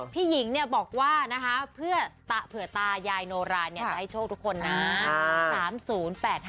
พี่หญิงบอกว่านะคะเผื่อตายายโนราจะให้โชคทุกคนนะ